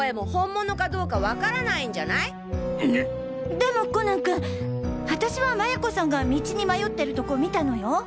でもコナン君あたしは麻也子さんが道に迷ってるとこを見たのよ。